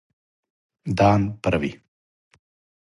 дан први